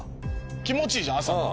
気持ちいいじゃん朝。